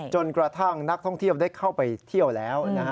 จนกระทั่งนักท่องเที่ยวได้เข้าไปเที่ยวแล้ว